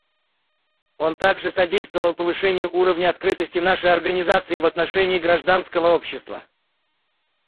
Он также содействовал повышению уровня открытости нашей Организации в отношении гражданского общества.